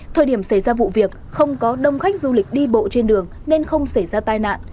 thời điểm xảy ra vụ việc không có đông khách du lịch đi bộ trên đường nên không xảy ra tai nạn